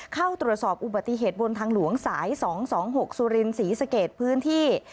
เข้าตรวจสอบอุบัติเหตุบนทางหลวงสาย๒๒๖สุรินศรีสเกตพื้นที่